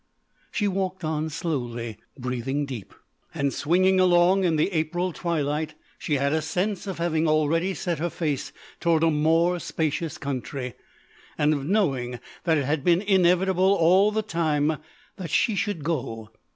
She walked on slowly, breathing deep. And swinging along in the April twilight she had a sense of having already set her face toward a more spacious country. And of knowing that it had been inevitable all the time that she should go.